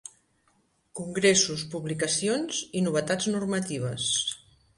Congressos, publicacions i novetats normatives.